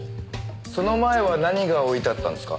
その前は何が置いてあったんですか？